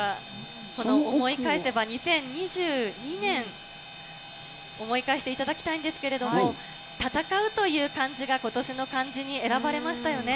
この思い返せば２０２２年、思い返していただきたいんですけど、戦うという漢字が今年の漢字に選ばれましたよね。